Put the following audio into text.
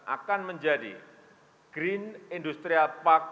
akan menjadi green industrial park